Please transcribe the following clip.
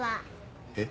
えっ？